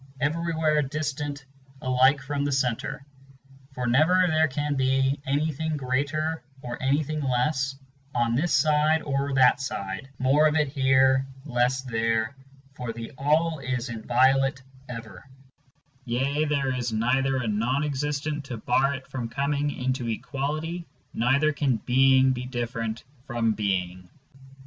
7 Everywhere distant alike from the centre; for never there can be Anything greater or anything less, on this side or that side ; Yea, there is neither a non existent to bar it from coming Into equality, neither can Being be different from Being.